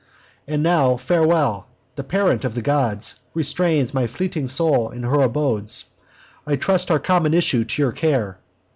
And now, farewell! The parent of the gods Restrains my fleeting soul in her abodes: I trust our common issue to your care.